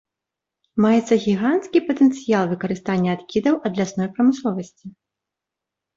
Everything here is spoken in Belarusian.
Маецца гіганцкі патэнцыял выкарыстання адкідаў ад лясной прамысловасці.